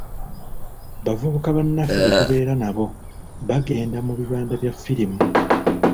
Bavubuka bannaffe be tubeera nabo bagenda mu "bibanda"bya ffirimu.